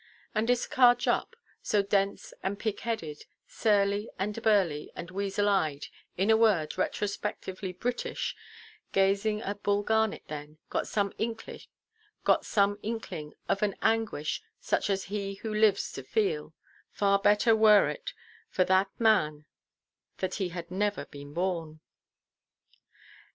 And Issachar Jupp, so dense and pig–headed—surly and burly, and weasel–eyed—in a word, retrospectively British—gazing at Bull Garnet then, got some inkling of an anguish such as he who lives to feel—far better were it for that man that he had never been born.